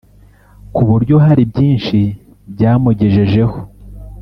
ku buryo hari byinshi byamugejejeho